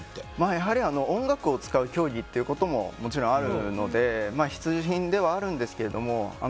やはり音楽を使う競技ということももちろんあるので必需品ではあるんですけど